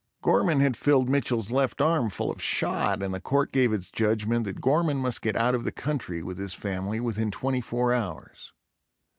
Gorman had filled Mitchell's left arm full of shot, and the court gave its judgment that Gorman must get out of the country with his family, within twenty four hours.